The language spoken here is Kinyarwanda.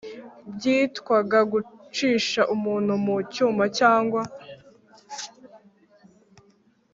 byitwaga gucisha umuntu mu cyuma cyangwa